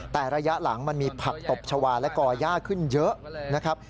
แต่ระยะหลังมันมีผักตบชาวาและก่อย่าขึ้นเยอะนะครับ